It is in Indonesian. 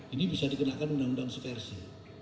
ini bisa dikenakan undang undang supersi